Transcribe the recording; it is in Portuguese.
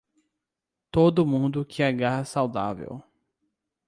Todo mundo que agarra saudável.